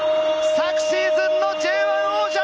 昨シーズンのＪ１王者！